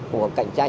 của cạnh tranh